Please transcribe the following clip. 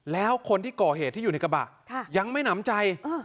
แล้วคนที่ก่อเหตุที่อยู่ในกระบะยังไม่หนำใจ